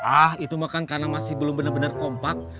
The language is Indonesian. ah itu makanya karena masih belum bener bener kompak